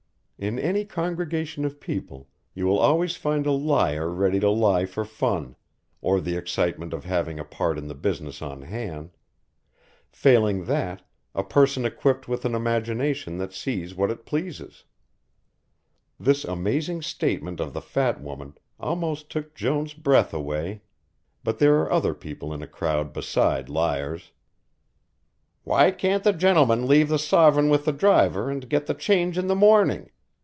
In any congregation of people you will always find a liar ready to lie for fun, or the excitement of having a part in the business on hand; failing that, a person equipped with an imagination that sees what it pleases. This amazing statement of the fat woman almost took Jones' breath away. But there are other people in a crowd beside liars. "Why can't the gentleman leave the sovereign with the driver and get the change in the morning?"